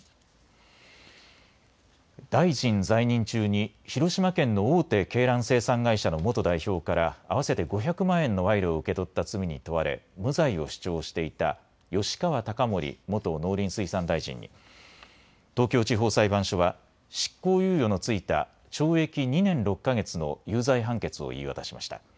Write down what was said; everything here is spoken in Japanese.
大臣在任中に広島県の大手鶏卵生産会社の元代表から合わせて５００万円の賄賂を受け取った罪に問われ無罪を主張していた吉川貴盛元農林水産大臣に東京地方裁判所は執行猶予の付いた懲役２年６か月の有罪判決を言い渡しました。